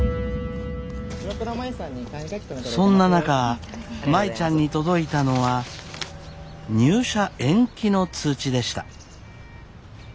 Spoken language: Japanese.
そんな中舞ちゃんに届いたのは入社延期の通知でした。